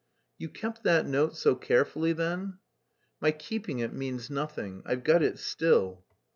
"You kept that note so carefully then?" "My keeping it means nothing; I've got it still."